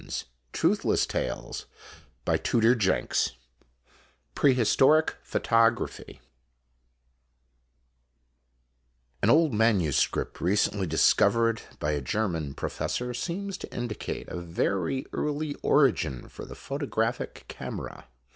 ' I sings out' 226 IMAGINOTIONS PREHISTORIC PHOTOGRAPHY A "I old manuscript recently discovered by a German professor seems to indicate a very early origin for the photographic camera.